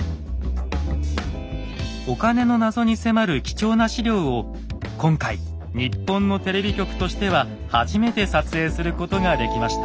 お金の謎に迫る貴重な史料を今回日本のテレビ局としては初めて撮影することができました。